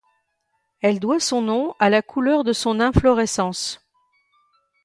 Elle doit son nom à la couleur de son inflorescence.